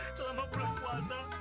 selama bulan puasa